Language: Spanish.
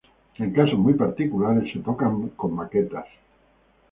En casos muy particulares, se tocan con baquetas.